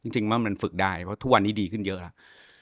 จริงว่ามันฝึกได้เพราะทุกวันนี้ดีขึ้นเยอะแล้ว